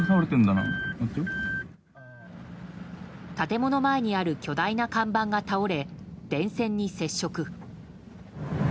建物前にある巨大な看板が倒れ電線に接触。